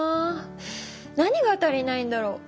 何が足りないんだろう？